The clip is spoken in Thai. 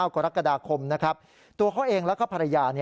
๑๙กรกฎาคมตัวเขาเองแล้วก็ภรรยา